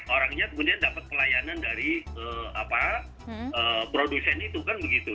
orangnya kemudian dapat pelayanan dari produsen itu kan begitu